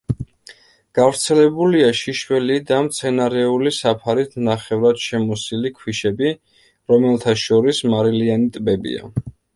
გავრცელებულია შიშველი და მცენარეული საფარით ნახევრად შემოსილი ქვიშები, რომელთა შორის მარილიანი ტბებია.